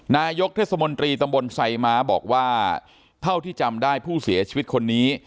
นายกเทศมนตรีตำบลไซม้าบอกว่าเท่าที่จำได้ผู้เสียชีวิตคนนี้